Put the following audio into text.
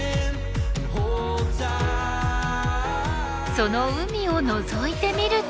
その海をのぞいてみると。